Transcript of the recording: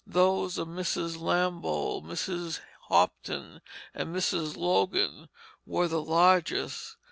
Those of Mrs. Lamboll, Mrs. Hopton, and Mrs. Logan were the largest.